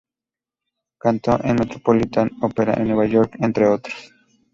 Cantó en el Metropolitan Opera en Nueva York, entre otros.